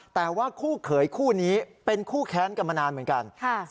แต่ว่าคู่เขยคู่นี้เป็นคู่แค้นกันมานานเหมือนกัน